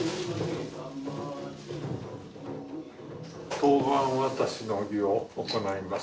当番渡しの儀を行います。